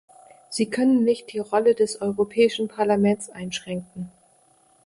Sie können nicht die Rolle des Europäischen Parlaments einschränken.